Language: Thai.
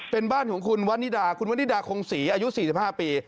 เป็นบ้านของคุณวันนิดาคุณวันนิดาคงศรีอายุ๔๕ปี